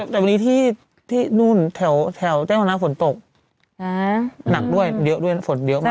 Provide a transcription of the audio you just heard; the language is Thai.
แต่วันนี้ที่นู่นแถวแจ้งวัฒนาฝนตกหนักด้วยเยอะด้วยฝนเยอะมาก